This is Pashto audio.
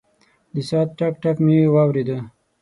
د ساعت ټک، ټک مې واورېد.